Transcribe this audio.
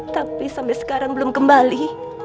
tapi sampai sekarang belum kembali